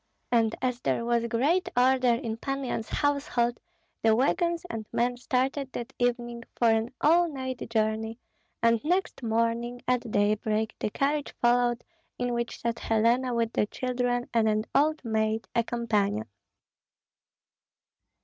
And as there was great order in Pan Yan's household the wagons and men started that evening for an all night journey, and next morning at daybreak the carriage followed in which sat Helena with the children and an old maid, a companion.